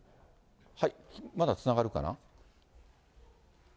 まだつながるかな？